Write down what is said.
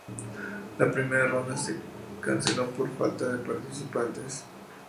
La primera ronda en se canceló por falta de participantes.